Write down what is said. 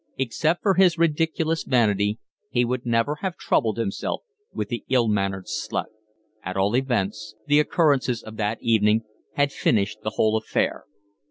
Except for his ridiculous vanity he would never have troubled himself with the ill mannered slut. At all events the occurrences of that evening had finished the whole affair.